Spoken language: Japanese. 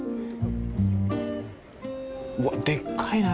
うわっでっかいな。